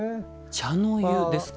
茶の湯ですか。